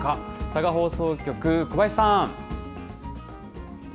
佐賀放送局、小林さん。